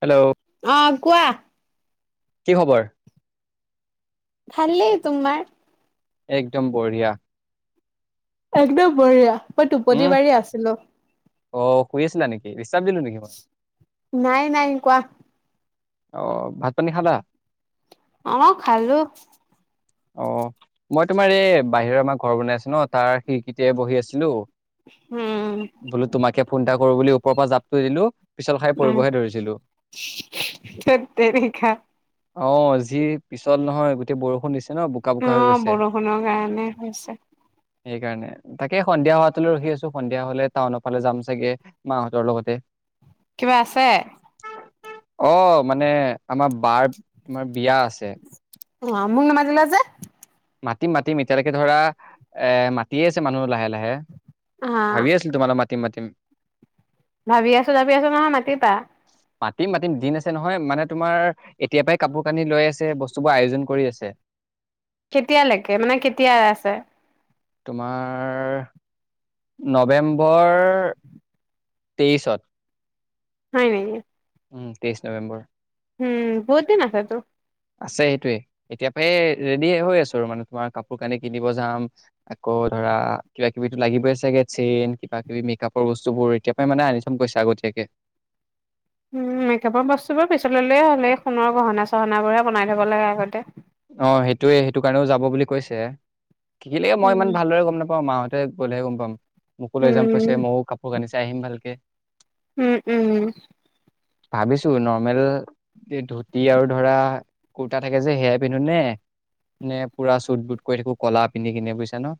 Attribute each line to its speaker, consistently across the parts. Speaker 1: Hello.
Speaker 2: অ', কোৱা।
Speaker 1: কি খবৰ?
Speaker 2: ভালেই, ‌ তোমাৰ?
Speaker 1: একদম বঢ়িয়া।
Speaker 2: একদম বঢ়িয়া। মই
Speaker 1: উম,
Speaker 2: টোপনি মাৰি আছিলো।
Speaker 1: অ' শুই আছিলা নেকি? ডিষ্টাৰ্ব দিলো নেকি মই?
Speaker 2: নাই নাই কোৱা।
Speaker 1: আহ ভাত পানী খালা?
Speaker 2: অ' খালো।
Speaker 1: অ' মই তোমাৰ এই বাহিৰৰ আমাৰ ঘৰ বনাই আছো ন তাৰ [unintelligible] বহি আছিলো।
Speaker 2: উম
Speaker 1: বোলো তোমাকে ফোন টা কৰো বুলি ওপৰ পৰা জাপটো দিলো। পিছল খাই
Speaker 2: উম,
Speaker 1: পৰিবহে ধৰিছিলো।
Speaker 2: ধেত তেৰিকা।
Speaker 1: অ' যি পিছল নহয়, গোটেই বৰষুণ নিচি
Speaker 2: অ' বৰষুণৰ কাৰণে হৈছে।
Speaker 1: সেইকাৰণে, তাকে সন্ধিয়া হোৱটো ৰখি আছো সন্ধিয়া হ'লে টাউনৰ ফালে যাম চাগে মাহঁতৰ লগতে।
Speaker 2: কিবা আছে?
Speaker 1: অ' মানে আমাৰ বাৰ তোমাৰ বিয়া আছে।
Speaker 2: অ মোক নামাতিলাজে?
Speaker 1: মাতিম মাতিম এতিয়ালৈকে ধৰা এ মায়ে আছে মানুহ লাহে লাহে।
Speaker 2: অ
Speaker 1: [unintelligible] ভাবি আছিল তোমা মাতিম মাতিম।
Speaker 2: ভাবি আছো ভাবি আছো নহয় মাতিবা।
Speaker 1: মাতিম মাতিম দিন আছে নহয় মানে তোমাৰ এতিয়াৰ পৰাই কাপোৰ কানি লৈ আছে বস্তুবোৰ আয়োজন কৰি আছে।
Speaker 2: কেতিয়ালৈকে মানে কেতিয়া আছে?
Speaker 1: তোমাৰ নৱেম্বৰ তেইছত।
Speaker 2: হয় নেকি?
Speaker 1: উম তেইছ নৱেম্বৰ।
Speaker 2: উম বহুত দিন আছেতো।
Speaker 1: আছে সেইটোৱে এতিয়াৰ পৰাই ৰেডি হৈ আছো আৰু মানে তোমাৰ কাপোৰ কানি কিনিব যাম। আকৌ ধৰা কিবা কিবিটো লাগিবই চাগে চেইন কিবা কিবি মেকআপৰ বস্তুবোৰ এতিাৰ পৰাই মানে আনি চম কইছা আগতীয়াকে।
Speaker 2: উ মেকআপৰ বস্তুবোৰ পিছললেয়ে হ'ল এই সোণৰ গহনা চহনাবোৰে বনাই থব লাগে আগতে।
Speaker 1: অ সেইটোৱে সেইটো কাৰণেও যাব বুলি কৈছে। মই ইমান
Speaker 2: উম
Speaker 1: ভালদৰে গম নাপাওঁ মাহতে ত গলে গম পাম। মোকো লৈ যাম
Speaker 2: উম
Speaker 1: কৈছে মইয়ো কাপোৰ কানিছে চাই আহিম ভালকে।
Speaker 2: উম উম।
Speaker 1: ভাবিছো নৰ্মেল ধুতি আৰু ধৰা কুৰ্তা থাকে যে সেয়াই পিন্ধো নে নে পুৰা চুট বুট কৰি থাকো ক'লা পিন্ধি কিনে বুজছা ন?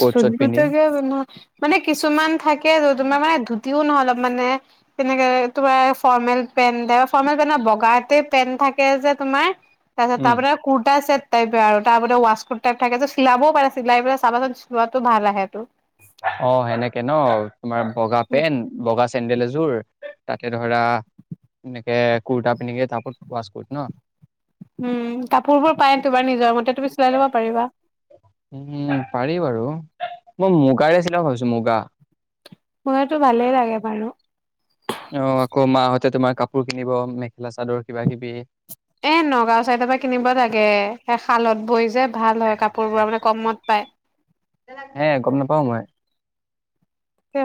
Speaker 1: কোট চোট পিন্ধি
Speaker 2: মানে কিছুমান থাকে আৰু তোমাৰ মানে ধুতিও নহয় মানে তোমাৰ ৰ্ফমেল পেন্ট বগাতে পেন্ট থাকে যে তোমাৰ তাৰপাছত তাপ
Speaker 1: উম
Speaker 2: পৰা কুৰা টাইপ আৰু তাৰ ৱাছকোট টাইপ থাকে যে চিলাবও পাৰে চিলাই পেলাই [unintelligible] চিলিৱাতটো ভাল আহেটো।
Speaker 1: অ হেনেকে ন? তোমাৰ বগা পেন্ট বগা চেণ্ডেল এযোৰ তাতে ধৰা এনেকে কুুৰ্তা পিন্ধি তাৰ ওপৰত ৱাচ কোট ন?
Speaker 2: উম কাপোৰ বোৰপায় তোমাৰ নিজৰ মতে তুমি চিলাই ল'ব পাৰিবা।
Speaker 1: উম পাৰি বাৰু মই মুগাৰে চিলাও ভাবিছো মুগা।
Speaker 2: মোৰতো ভালেই লাগে বাৰু।
Speaker 1: অ আকৌ মাহতে তোমাৰ কাপোৰ কিনিব মেখেলা চাদৰ কিবা কিবি।
Speaker 2: এ নগাঁও চাইডৰ পৰা কিনিব লাগে সেই শালত বৈ যে ভাল হয় কাপোৰবোৰ মানে কমত পায়।
Speaker 1: হে গম নাপাও মই।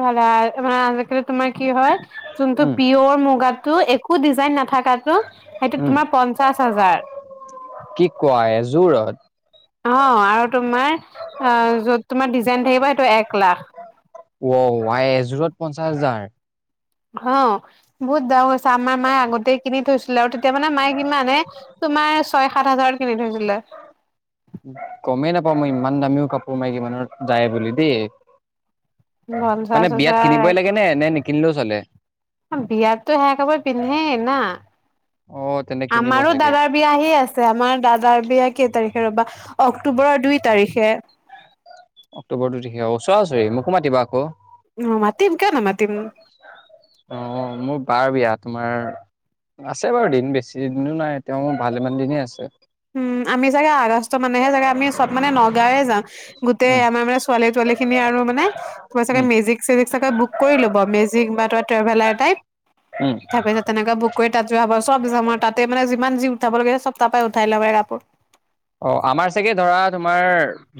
Speaker 2: ভালে মানে আজিকালি তোমাৰ কি হয় যোনটো
Speaker 1: উম,
Speaker 2: পিয়ৰ মুগাটো এক একো ডিজাইন না নাথাকাটো সেইটোত
Speaker 1: উম,
Speaker 2: তোমাৰ পঞ্চাশ হাজাৰ।
Speaker 1: কি কোৱা এযোৰত
Speaker 2: অ' আৰু তোমাৰ অ' য'ত তোমাৰ ডিজাইন ডিজাইন থাকিব সেইটো এক লাখ।
Speaker 1: অ' আই এযোৰত পঞ্চাশ হাজাৰ।
Speaker 2: অ' বহুত দাম হৈছে আমাৰ মায়ে আগতে কিনি থৈছিলে আৰু তেতিয়া মানে মায়ে কিমানে তোমাৰ ছয় সাত হাজাৰত কিনি থৈছিলে।
Speaker 1: গমেই নাপাওঁ মই ইমান দামীও কাপোৰ মাইকী মানুহৰ যায় বুলি দেই।
Speaker 2: পঞ্চাশ
Speaker 1: মানে বিয়াত কিনিবই লাগে নে-নে নিকি নিকিনিলেও চলে?
Speaker 2: বিয়াতো সেয়া কাপোৰ পিন্ধেই না,
Speaker 1: অ' তেন্তে কিনিব
Speaker 2: আমাৰো
Speaker 1: চাগে
Speaker 2: দাদাৰ বিয়া আহি আছে আমাৰ দাদাৰ বিয়া কেই তাৰিখে ৰ'বা অক্টোবৰৰ দুই তাৰিখে।
Speaker 1: অক্টোবৰৰ দুই তাৰিখে, ওচৰা ওচৰি মোকো মাতিবা আকৌ।
Speaker 2: উম, মাতিম কিয় নামাতিম।
Speaker 1: অ' মোৰ বাৰ বিয়া তোমাৰ আছে বাৰু দিন বেছি দিনো নাই তেওঁ ভালেমান দিনেই আছে।
Speaker 2: উম আমি চাগে আগষ্ট মানেহে চাগে আমি চব মানে নগাঁওৱে যাওঁ গোটেই
Speaker 1: উম,
Speaker 2: আমাৰ মানে ছোৱালী তোৱালী খিনি আৰু মানে তোমাৰ চাগে
Speaker 1: উম,
Speaker 2: মেজিক চেজিক চাগে বুক কৰি ল'ব মেজিক বা ত ট্ৰেভেলাৰ টাইপ
Speaker 1: উম।
Speaker 2: তাৰ পিছত তেনেকে বুক কৰি তাত যোৱা হব চব যাম আৰু তাতে মানে আৰু যি ইমান যি উঠাব লাগে চব তাৰ পাই খাই ল। [unintelligible]
Speaker 1: অ' আমাৰ চাগে ধৰা তোমাৰ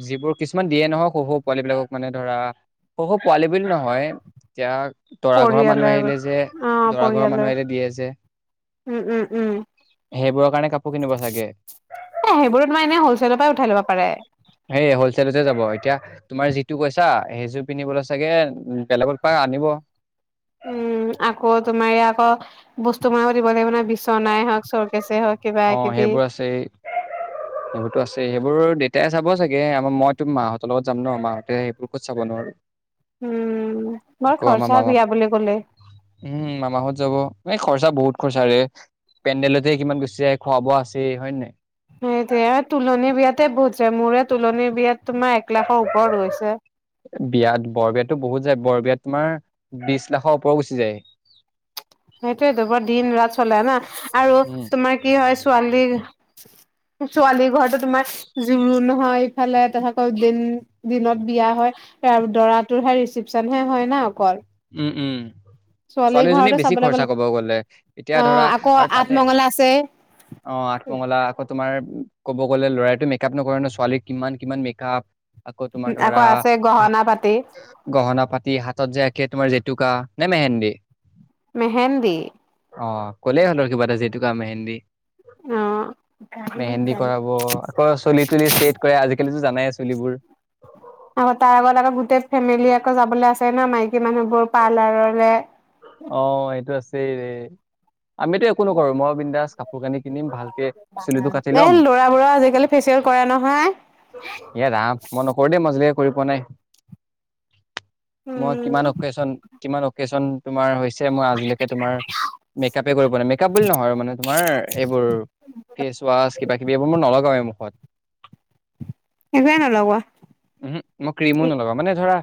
Speaker 1: যিবোৰ কিছুমান দিয়ে নহয় সৰু-সৰু পোৱালী বিলাকক মানে ধৰা সৰু-সৰু পোৱালি বুলি নহয় এতিয়া দৰা ঘৰৰ মানুহ
Speaker 2: পৰিয়ালৰ
Speaker 1: আহিলে যে
Speaker 2: অ',
Speaker 1: দৰা ঘৰৰ মানুহ
Speaker 2: পৰিয়ালৰ
Speaker 1: আহিলে দিয়ে যে
Speaker 2: উম, উম, উম,
Speaker 1: সেইবোৰৰ কাৰণে কাপোৰ কিনিব চাগে।
Speaker 2: এ সেইবোৰো তোমাৰ এনে হলচেলৰ পৰাই উঠাই ল'ব পাৰে।
Speaker 1: সেইয়ে হলচেলতে যাব এতিয়া তোমাৰ যিটো কৈছা সেইযোৰ পিন্ধিবলৈ চাগে বেলেগৰ পৰাই আনিব।
Speaker 2: উম, আকৌ তোমাৰ ইয়া আকৌ বস্তু [unintelligible] দিব লাগিব নহয় বিচনাই হওক [unintelligible]
Speaker 1: অ' সেইবোৰ আছে সেইবোৰতো আছে সেইবোৰ দেত তে চাব চাগে আমাৰ মইতো মাহঁতৰ লগত যাম ন মাহঁতে সেইবোৰ ক'ত চাব নো আৰু।
Speaker 2: উম, বৰ খৰচা বিয়া বুলি কলে।
Speaker 1: এ' খৰচা বহুত খৰচা ৰে পেণ্ডেলতে কিমান গৈছে [unintelligible] খোৱা বোৱা আছৈ হয় নায়।
Speaker 2: সেইটোয়ে আৰু তুলনি বিয়াতে বহুত যায় মোৰে তুলনি বিয়াত তোমাৰ এক লাখৰ ওপৰত গৈছে।
Speaker 1: বিয়াত, বৰবিয়াত তো বহুত যায়, বৰবিয়াত তোমাৰ, বিছ লাখৰ ওপৰ গুচি যায়।
Speaker 2: সেইটোৱে তো বৰ দিন-ৰাত চলে ন আৰু
Speaker 1: উম
Speaker 2: তোমাৰ কি হয় ছোৱালীৰ। ছোৱালীৰ ঘৰতো তোমাৰ জোৰোণ হয়, ইফালে তাৰপিছতক দিন, দিনত বিয়া হয়, দৰাটোৰহে ৰেচিপ। ৰিচিভচনহে হয় ন অকল?
Speaker 1: উম উম
Speaker 2: ছোৱালী
Speaker 1: ছোৱালীজনী
Speaker 2: ঘৰ।
Speaker 1: বেছি খৰচা ক'ব গ'লে এতিয়া ধৰা আৰু তাতে
Speaker 2: আঠমঙলা আছে
Speaker 1: অ আঠমঙলা আকৌ তোমাৰ ক'ব গ'লে ল'ৰাইতো মেকআপ নকৰে, ন ছোৱালী কিমান কিমান মেকআপ। আকৌ তোমাৰ
Speaker 2: আকৌ
Speaker 1: ধৰা
Speaker 2: আছে গহনা পাতি
Speaker 1: গহনা পাতি হাতত যে আকে তোমাৰ জেতুকা নে মেহেন্দী।
Speaker 2: মেহেন্দি
Speaker 1: অ' ক'লেই সিহঁতৰ কিবা এটা যি টোকা, মেহেন্দী।
Speaker 2: অ
Speaker 1: মেহেন্দী কৰাব আকৌ চুলি তুলি ষ্টেট কৰে আজিকালি জানাই চুলিবোৰ
Speaker 2: আকৌ তাৰ আগত আকৌ গোটেই ফেমিলি আকৌ যাবলৈ আছে ন মাইকী মানুহবোৰ পাৰ্লাৰৰে
Speaker 1: অ', সেইটো আছে [unintelligible] আমিতো একো নকৰোঁ মই বিন্দাচ কাপোৰ কানি কিনিম ভালকে চুলিটো কাটি‌
Speaker 2: এ
Speaker 1: ল'ম,
Speaker 2: ল'ৰাবোৰৰ আজিকালি ফেচিয়েল কৰে নহয়
Speaker 1: ‌ ইয়ে ৰাম, মই নকৰোঁ দেই। কৰি পোৱা নাই। মই
Speaker 2: উম
Speaker 1: কিমান অকেশচন কিমান কেশচন। তোমাৰ হৈছে ছে মই আজিলৈকে তোমাৰ মেকআপে কৰি পোৱা নাই মেকআপ বুলি নহয়, মানে তোমাৰ এইবোৰ ফেচ ৱাচ কিবা কিবি এইবোৰ মই নলগাওঁ এই মুখত।
Speaker 2: একোৱে নলগোৱা
Speaker 1: উ মই ক্ৰীমও নলগাওঁ মানে ধৰা।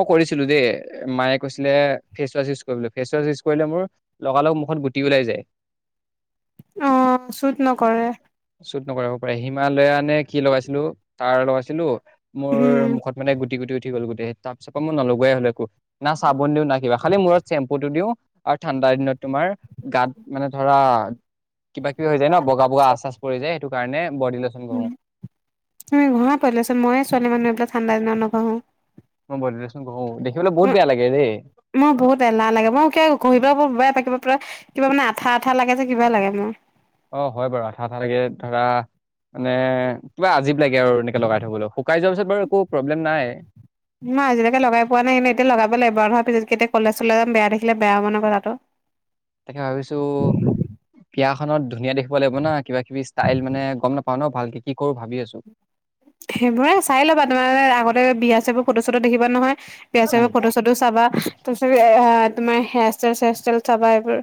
Speaker 1: মই কৰিছিলো দেই মায়ে কৈছিলে face wash use face one use কৰিলে মোৰ লগা লগ মুখত গুটি ওলাই যায়।
Speaker 2: অ চুট নকৰে
Speaker 1: চুট নকৰে হ'ব পাৰে৷ হিমালয়া নে কি লগাইছিলো তাৰ লগাইছিলো। মোৰ
Speaker 2: উম
Speaker 1: মুখত মানে গুটি গুটি উট্ উঠি গ'ল গোটেই তাৰ পিছত মই নলগোৱাই হ'লো একো। না চাবোন দিওঁ না কিবা খালি মূৰত টো দিওঁ আৰু ঠাণ্ডা দিনত তোমাৰ গাত মানে ধৰা। কিবা কিবি হৈ যায় ন বগা বগা আচ চাছ পৰি যায়। সেটো কাৰণে বডি লোচন
Speaker 2: উম
Speaker 1: ঘঁহো
Speaker 2: তুমি ঘহা পৰিলাচোন মই ছোৱালী মানুহ এইবিলাক ঠাণ্ডা দিনত নঘহো
Speaker 1: মই বডিলো
Speaker 2: মই বহুত এলাহ লাগে মই কিয় ঘহিম [unintelligible] পুৰা কিবা মানে আঠা আঠা লাগে যে কিবাই লাগে মোৰ
Speaker 1: অ 'হয় বাৰু, আঠা আঠা লাগে ধৰা মানে কিবা আজি লাগে আৰু এনেক লগাই থবলৈ শুকাই যোৱাৰ পিছত ক একো প্ৰব্লেম নাই
Speaker 2: মই আজিলৈকে লগাই পোৱা নাই ন এতিয়া লগাবলৈাগ এবাৰ নহোৱাৰ পিছত কেতিয়া কলেজ চলৈলে যাম বেয়া দেখিলে বেয়া হ'ব নহয় কথাটো।
Speaker 1: তাকে ভাবিছো বিয়াখনত ধুনীয়া দেখিব লাগিব না কিবা কিবি ষ্টাইল মানে গম নাপাওঁ ন ভালকে কি কৰো ভাবি আছো।
Speaker 2: সেইবোৰে চাই ল'বা। তোমাৰ আগতে বিয়া চবোৰ ফটো চটো দেখিবা নহয়। পেয়াচেভ
Speaker 1: উম
Speaker 2: ফটো চটো চাবা তাৰ পিছত এ তোমাৰ হেয়াৰ ষ্টাইল চেয়াৰ ষ্টাইল চাবা এইবোৰ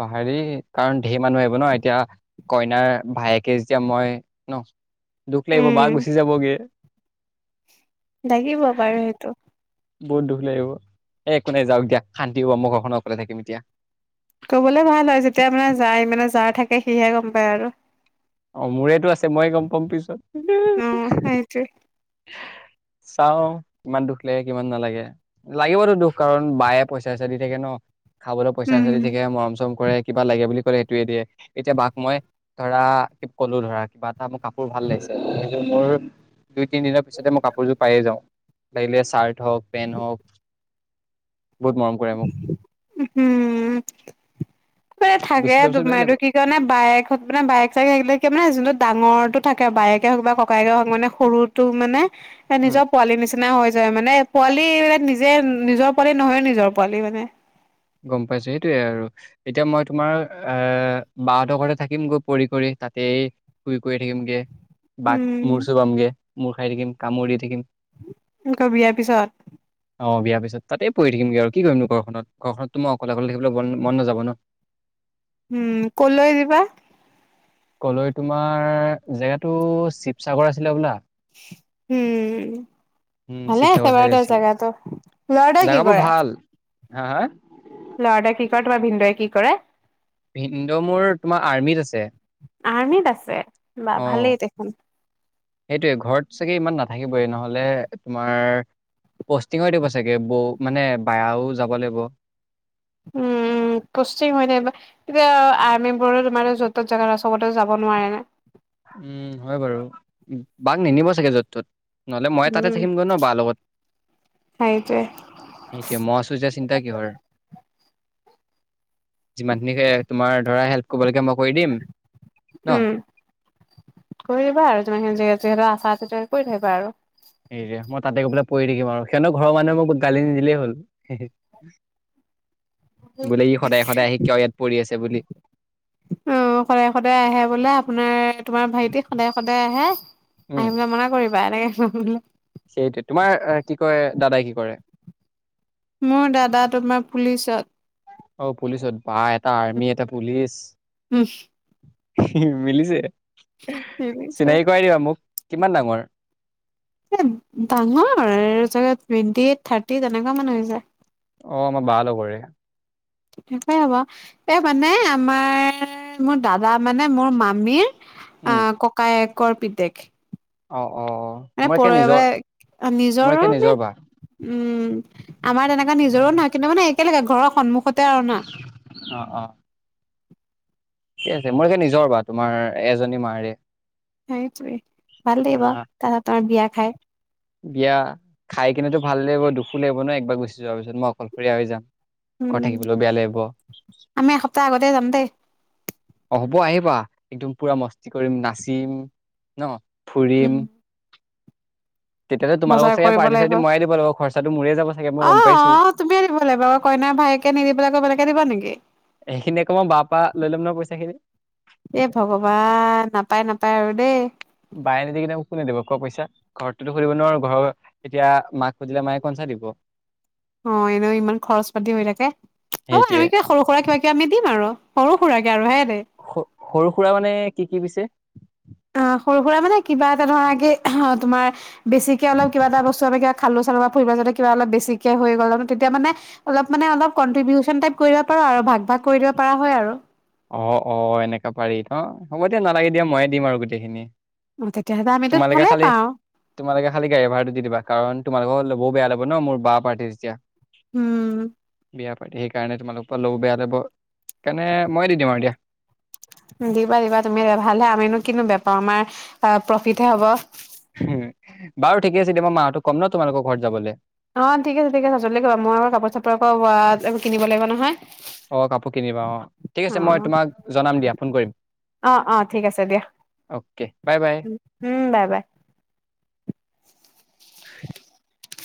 Speaker 1: পাহাৰৰি কাৰণ ঢেৰ মানুহ আহিব ন এতিয়া কইনাৰ ভায়েকে যেতিয়া মই ন দুখ লাগিব
Speaker 2: উম
Speaker 1: বা গুচি যাবগে।
Speaker 2: লাগিব বাৰু সেইটো
Speaker 1: বহুত দুখ লাগিব এ একো নাই যাওক দিয়া শান্তি হব মো ঘৰখনত অকলে থাকিম এতিয়া।
Speaker 2: ক'বলে ভাল হয়। যেতিয়া মানে যাৰ মানে যাৰ থাকে সিহে ক'ম বাৰ
Speaker 1: অ মোৰেতটো আছে মই গম পাম পিছত
Speaker 2: অ সেইটোৱে
Speaker 1: চাও কিমান দুখ লাগে কিমান নালাগে লাগিবতো দুখ কাৰণ বায়ে পইচা চইচা দি থাকে ন। খাবলৈ পইচা
Speaker 2: উম
Speaker 1: চইচা দি থাকে মৰম চৰম কৰে কিবা লাগে বুলি ক'লে সেইটোৱে দিয়ে। এতিয়া বাাক মই ধৰা কলো ধৰা কিবা এটা মোৰ কাপোৰ ভাল লাগিছে। মোৰ দুই তিনিদিনৰ পিছতে মই কাপোৰযোৰ পায়ে যাওঁ। লাগিলে চাৰ্ট হওঁক পেণ্ট হওক বহুত মৰম কৰে মোক
Speaker 2: উম ই
Speaker 1: গুচি
Speaker 2: থাকে
Speaker 1: যোৱাৰ পিছত বেয়া
Speaker 2: তোমাৰ
Speaker 1: লাগিব
Speaker 2: এইটো কি কাৰণে বাইকত মানে বাইক চাইে থাকিলে মানে যোনত ডাঙৰটো থাকে বায়েকে হওক বা ককেকে হওক মানে সৰুটো মানে এ
Speaker 1: উম
Speaker 2: নিজৰ পোৱালি নিচিনা হৈ যে মানে পোৱালি মানে নিজে নিজৰ পোৱালি নহয় নিজৰ পোৱালি মানে।
Speaker 1: গম পাইছো। সেইটোয়ে আৰু এতিয়া মই তোমাৰ আহ বাহঁতৰ ঘতে থাকিম গৈ পৰি কৰি তাতেই শুই কৰি থাকিমগে। বাক
Speaker 2: উম
Speaker 1: মুৰ্চুবাম গে মূৰ খাই থাকিম কামু দি থাকিম
Speaker 2: এনেক বিয়াৰ পিছত
Speaker 1: অঁ বিয়াৰ পিছত তাতে প়ৰি থাকিমগৈ আৰু কি কৰিনো ঘৰখনত ঘৰখনততো লগ ল থাকিবলৈ মন মন নাযাব ন
Speaker 2: উম কোলৈ দিবা
Speaker 1: কলৈ তোমাৰ জেগাতটো শিৱসাগৰ আছিলে হবলা
Speaker 2: উম
Speaker 1: উম
Speaker 2: ভালে
Speaker 1: শিৱসাগৰ
Speaker 2: আছে
Speaker 1: চাইডে
Speaker 2: বাৰু দে
Speaker 1: আছিলে
Speaker 2: জেগাটো লৰাটোৱে কি
Speaker 1: জেগাবোৰ
Speaker 2: কৰে,?
Speaker 1: ভাল হা হা
Speaker 2: ল'ৰাটোৱে কি কৰে, তোমাৰ ভিনদুৱাইে কি কৰে।
Speaker 1: ভিন্দো মোৰ তোমাৰ আৰ্মিত আছে।
Speaker 2: আৰ্মিত আছে। ছে বা ভালেই দেখোন।
Speaker 1: সেইটোৱে ঘৰত চাগে ইমান নাথাকিবই নহলে, তোমাৰ পষ্টিঙৰ দিব চাগে বৌ মানে বাইয়াও যাব লাগিব।
Speaker 2: উম, উম কষ্টিঙ হয় দে বা এতিয়া আৰ্মিবোৰ তোমাৰ য'ত ত'ত জেগা চবতে যাব নোৱাৰে নে।
Speaker 1: উম হয় বাৰু, বাক নেনিব চাগে য'ত ত'ত? নহলে মই তাতে
Speaker 2: উম
Speaker 1: থাকিম গৈ ন বাৰ লগত,
Speaker 2: সেইটোৱে
Speaker 1: সেইটোৱে মই আছো যেতিয়া চিন্তা কিহৰ? যিমানখিনি যায় আৰু, তোমাৰ ধৰা হেল্প। ক'ব লগিয়া মই। ভৈ দিম নহ।
Speaker 2: উম কৰি দিবা আৰু যিমানখিনি যিহেতু ইয়াতে আছা কৰি থাকিবা আৰু।
Speaker 1: সে মই তাতে গৈ পেলাই পৰি থাকিম আৰু, সিহনতৰ ঘৰৰ মানুহে মোক গালি নিদিলেই হ'ল। বোলে ই সদায় সদায় আহি কিয় ইয়াত পৰি আছে বুলি
Speaker 2: অহ সদায় -সদায় আহে বোলে আপোনাৰ তোমাৰ ভাইটি, সদায় -সদায় আহে
Speaker 1: উম।
Speaker 2: আহিবলৈ মানা কৰিবা। বাৰে।
Speaker 1: সেইটোৱে, তোমাৰ কি কয় দাদাই কি কৰে?
Speaker 2: মোৰ দাদা, তোমাৰ পুলিচত।
Speaker 1: অ পুলিচত। বা এটা আৰ্মি, এটা পুলিচ।
Speaker 2: উম
Speaker 1: মিলিছে। চিনাকি কৰাই দিবা মোক। কিমান ডাঙৰ?
Speaker 2: এ ডাঙৰ চাগে টুৱেণ্টি এইট, থাৰ্টি তেনেকুৱা মান হৈ যায়।
Speaker 1: অ আমাৰ বাৰ লগৰে।
Speaker 2: এ মানে আমাৰ, মোৰ দাদা মানে মোৰ মামীৰ।
Speaker 1: উম
Speaker 2: অ ককায়েক। কৰপিতেক।
Speaker 1: অ। অ অ
Speaker 2: মানে
Speaker 1: মোৰ একে
Speaker 2: পৰৰ মে
Speaker 1: নিজৰ মোৰ
Speaker 2: নিজৰো
Speaker 1: একে
Speaker 2: ম
Speaker 1: নিজৰ বা
Speaker 2: উম আমাৰ তেনেকুৱা নিজৰো নহয়, কিন্তু মানে। একেলগে ঘৰৰ সন্মুখত। উ তেৰণা।
Speaker 1: ঠিক আছে, মোৰ একে নিজৰ বা তোমাৰ এজনী মাৰে।
Speaker 2: সেই। ভাল লাগিব
Speaker 1: আহ
Speaker 2: তাঁহতৰ বিয়া। খাই।
Speaker 1: বিয়া খাই কিনোতো ভাল লাগিব, দুখো লাগিব ন একবাৰ গুচি যোৱাৰ পিছত মই অকলশৰীয়া হৈ যাম।
Speaker 2: উম,
Speaker 1: ঘৰত থাকিবলৈও বেয়া লাগিব
Speaker 2: আমি এসপ্তাহ আগতে যাম দেই।
Speaker 1: অ হ'ব আহিবা একদোম পুৰা মষ্টি কৰিম, নাচিম নহ। ফুৰিম। তেতিয়াতো তোমালোকক
Speaker 2: বজাৰ
Speaker 1: চাগে
Speaker 2: কৰিব
Speaker 1: পাৰ্টি
Speaker 2: লাগিব,
Speaker 1: চাৰ্টি ময়ে দিব লাগিব খৰচাটো মোৰে যাব চাগে মই
Speaker 2: অ
Speaker 1: গম পাইছো
Speaker 2: -অহ তুমিয়ে দিব লাগিব আকৌ কইনাৰ ভায়েকে নিদিবলৈ আকৌ বেলেকে দিব নেকি!
Speaker 1: সেইখিনি আকৌ মই বাৰ পৰা লৈ ল'ম ন পইচাখিনি
Speaker 2: এ ভগৱান নাপায় নাপায় আৰু এই
Speaker 1: বায়ে নিদিলে মোক কোনে দিব কোৱা পইচা? ঘৰততোতো [unintelligible] নোৱাৰোঁ, ঘৰৰ, এতিয়া মাক খুজিলে মায়ে কোনচা দিব?
Speaker 2: অ', এনে ইমান খৰচ পাতি হৈ থাকে। অ
Speaker 1: সেইটোৱে
Speaker 2: এনেকে সৰু সুৰা কিবা কিবি আমি দিম আৰু সৰু সুৰাকে আৰু হেই
Speaker 1: স-সৰু সুৰা মানে কি কি পিছে?
Speaker 2: সৰু সুৰা মানে কিবা এটা ধৰা কি অ, তোমাৰ বেছিকে অলপ কিবা এটা বস্তু [unintelligible] খালো চালো বা ফুৰিব যদি কিবা অলপ বেছিকে হৈ গ'ল, তেতিয়া মানে অলপ মানে অলপ কনট্ৰিবিউচন টাইপ কৰিব পাৰা আৰু, ভাগ ভাগ কৰি দিব পাৰা হয় আৰু
Speaker 1: অ', অ, এনেকে পাৰি ন? হ'ব দিয়া, নালাগে দিয়া ময়ে দিম আৰু গোটেইখিনি।
Speaker 2: অ তেতিয়াহ'লে আমিতো
Speaker 1: তোমালোকে
Speaker 2: ভালে
Speaker 1: খালি,
Speaker 2: পাওঁ
Speaker 1: তোমালোকে খালি গাড়ী ভাড়াটো দি দিবা। কাৰণ তোমালোকৰ লবও বেয়া লাগ হব ন মোৰ বা পাৰ্টি যেতিয়া।
Speaker 2: উম
Speaker 1: বিয়া পাৰ্টি, সেইকাৰণে তোমালোকৰ পৰা লবও বেয়া লাগিব, সেই কাৰণে ময়ে দি দিওঁ আৰু দিয়া।
Speaker 2: দিবা, দিবা, তুমিয়ে দিবা, ভাল হে আমিনো কিনো বেয়াপাওঁ, আমাৰ প্ৰফিটহে হ'ব।
Speaker 1: উ, বাৰু ঠিকে আছে এতিয়া, মই মাহঁতক ক'ম ন তোমালোকৰ ঘৰত যাবলৈ।
Speaker 2: অ, ঠিক আছে, ঠিক আছে, জলদি কৰা, মই আও কাপোৰ চাপোৰ আকৌ কিনিব লাগিব নহয়।
Speaker 1: অ, কাপোৰ কিনিবা অ, ঠিক
Speaker 2: অ
Speaker 1: আছে মই তোমাক জনাম দিয়া, ফোন কৰিম।
Speaker 2: অ অ ঠিক আছে দিয়া
Speaker 1: অ'কে, বাই বাই।
Speaker 2: উম বাই বাই
Speaker 1: [inaudible]